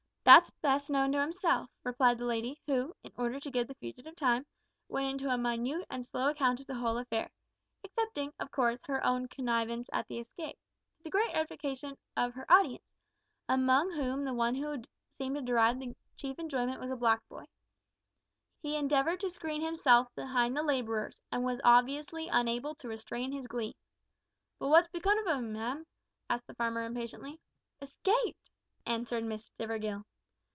"That's best known to himself," replied the lady, who, in order to give the fugitive time, went into a minute and slow account of the whole affair excepting, of course, her connivance at the escape to the great edification of her audience, among whom the one who seemed to derive the chief enjoyment was a black boy. He endeavoured to screen himself behind the labourers, and was obviously unable to restrain his glee. "But what's come of 'im, ma'am?" asked the farmer impatiently. "Escaped!" answered Miss Stivergill.